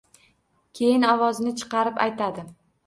Keyin ovozini chiqarib aytadi